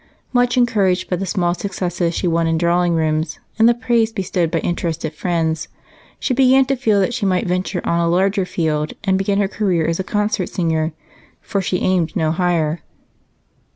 Much encouraged by the small successes she won in drawing rooms, and the praise bestowed by interested friends, she began to feel that she might venture on a larger field and begin her career as a concert singer, for she aimed no higher.